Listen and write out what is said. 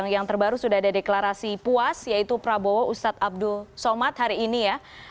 yang terbaru sudah ada deklarasi puas yaitu prabowo ustadz abdul somad hari ini ya